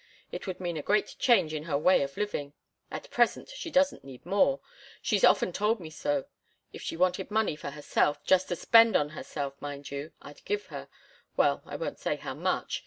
It would mean a great change in her way of living. At present she doesn't need more. She's often told me so. If she wanted money for herself, just to spend on herself, mind you I'd give her well, I won't say how much.